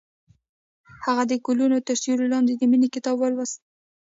هغې د ګلونه تر سیوري لاندې د مینې کتاب ولوست.